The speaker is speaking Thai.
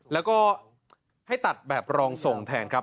แล้วก็ให้ตัดแบบรองทรงแทนครับ